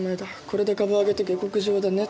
「これで株上げて下克上だね」